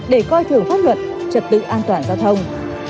để coi thường pháp luật trật tự an toàn giao thông